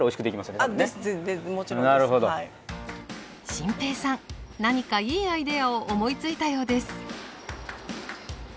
心平さん何かいいアイデアを思いついたようです。